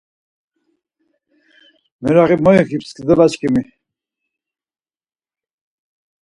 Meraği mo ikip skidalaçkimi.